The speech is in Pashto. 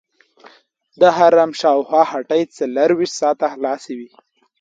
د حرم شاوخوا هټۍ څلورویشت ساعته خلاصې وي.